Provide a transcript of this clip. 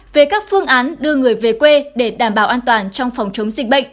về các phương án đưa người về quê để đảm bảo an toàn trong phòng chống dịch bệnh